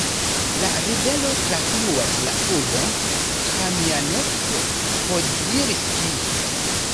La rivero trafluas la urbon Kamjanec-Podilskij.